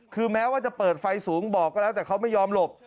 คือแม้ว่าจะเปิดไฟสูงบอกก็แล้วแต่เขาไม่ยอมหลบ